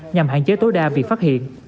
nhằm hạn chế tối đa việc phát hiện